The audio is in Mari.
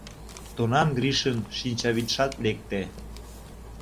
Тунам Гришын шинчавӱдшат лекте...